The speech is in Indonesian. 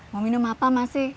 mau minum apa masih